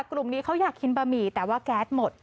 กลุ่มนี้เขาอยากกินบะหมี่แต่ว่าแก๊สหมด